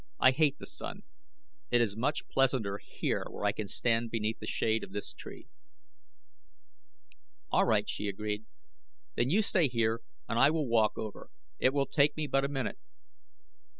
"I hate the sun. It is much pleasanter here where I can stand beneath the shade of this tree." "All right," she agreed; "then you stay here and I will walk over. It will take me but a minute."